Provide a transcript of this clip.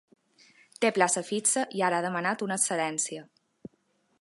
Té plaça fixa i ara ha demanat una excedència.